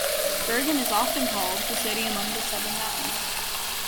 Bergen is often called 'the city among the seven mountains'.